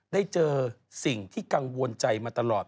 ได้เจอสิ่งที่กังวลใจมาตลอด